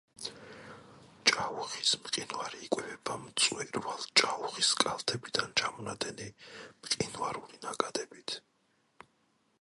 ჭაუხის მყინვარი იკვებება მწვერვალ ჭაუხის კალთებიდან ჩამონადენი მყინვარული ნაკადებით.